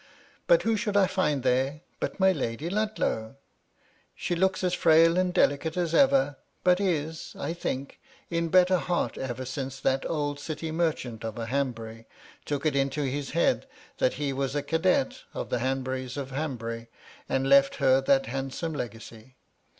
But who should I find there but my Lady ' Ludlow 1 She looks as frail and delicate as ever, but ' is, I think, in better heart ever since that old city ' merchant of a Hanbury took it into his head that he ' was a cadet of the Hanburys of Hanbury, and left 'her that handsome legacy.